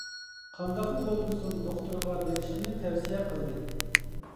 قانداقلا بولمىسۇن دوختۇرغا بېرىشىمنى تەۋسىيە قىلدى.